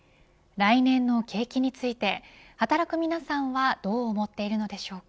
来年の景気について働く皆さんはどう思っているのでしょうか